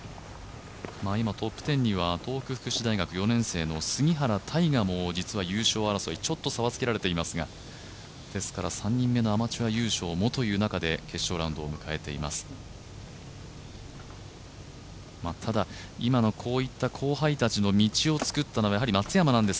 今、トップ１０には東北福祉大学４年生の杉原大河も実は優勝争い、ちょっと差はつけられていますが、ですから３人目のアマチュア優勝もというのも見えている試合です。